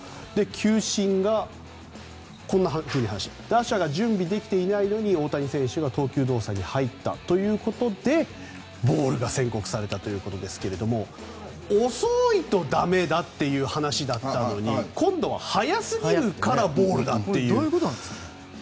球審が打者が準備できていないのに大谷選手が投球動作に入ったということでボールが宣告されたということですが遅いと駄目だっていう話だったのに今度は早すぎるからボールだという。